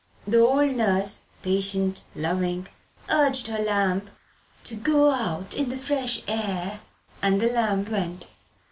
The old nurse, patient, loving, urged her lamb to "go out in the fresh air"; and the lamb went.